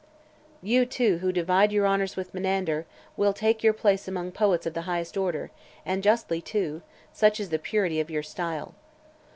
"You, too, who divide your honours with Menander, will take your place among poets of the highest order, and justly too, such is the purity of your style.